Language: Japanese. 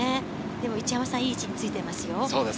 一山さん、いい位置についていますよ。